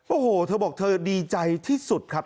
โอ้โหเธอบอกเธอดีใจที่สุดครับ